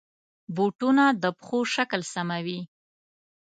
بوټونه د پښو شکل سموي.